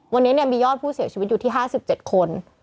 วันนี้มียอดผู้เสียชีวิตอยู่ที่๕๗คน